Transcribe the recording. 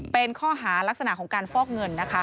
เป็นข้อหารักษณะของการฟอกเงินนะคะ